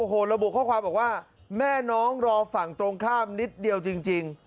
โอ้โหระบุข้อความบอกว่าแม่น้องรอฝั่งตรงข้ามนิดเดียวจริง